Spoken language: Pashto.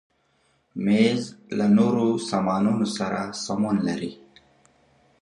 مېز له نورو سامانونو سره سمون لري.